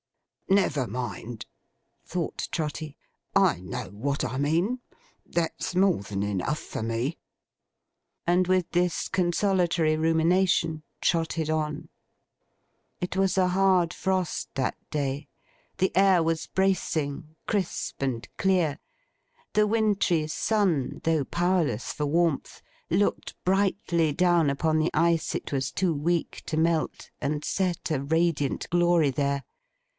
'Never mind,' thought Trotty. 'I know what I mean. That's more than enough for me.' And with this consolatory rumination, trotted on. It was a hard frost, that day. The air was bracing, crisp, and clear. The wintry sun, though powerless for warmth, looked brightly down upon the ice it was too weak to melt, and set a radiant glory there.